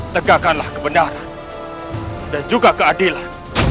tegakkanlah kebenaran dan juga keadilan